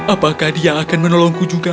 apakah dia akan menolongku juga